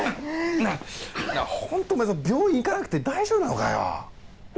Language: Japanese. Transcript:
なあ本当お前さ病院行かなくて大丈夫なのかよ？